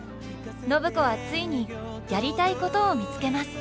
暢子はついにやりたいことを見つけます。